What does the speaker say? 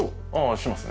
しますね。